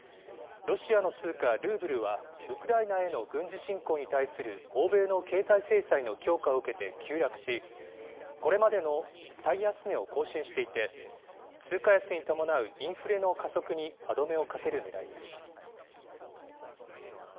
ロシアの通貨ルーブルは、ウクライナへの軍事侵攻に対する欧米の経済制裁の強化を受けて急落し、これまでの最安値を更新していて、通貨安に伴うインフレの加速に歯止めをかけるねらいです。